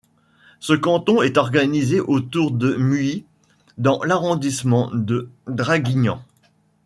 Ce canton est organisé autour du Muy dans l'arrondissement de Draguignan.